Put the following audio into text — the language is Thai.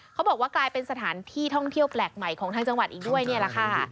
กลายเป็นสถานที่ท่องเที่ยวแปลกใหม่ของทางจังหวัดอีกด้วยเนี่ยแหละค่ะ